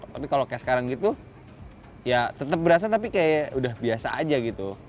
tapi kalau kayak sekarang gitu ya tetap berasa tapi kayak udah biasa aja gitu